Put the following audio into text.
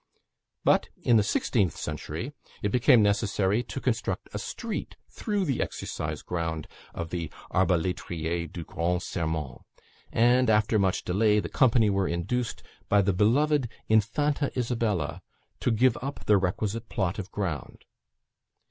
But, in the sixteenth century, it became necessary to construct a street through the exercise ground of the "Arbaletriers du Grand Serment," and, after much delay, the company were induced by the beloved Infanta Isabella to give up the requisite plot of ground.